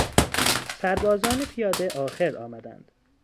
سربازان پیاده آخر آمدند.